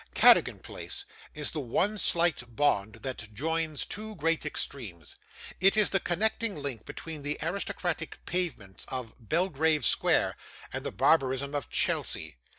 Cadogan Place is the one slight bond that joins two great extremes; it is the connecting link between the aristocratic pavements of Belgrave Square, and the barbarism of Chelsea.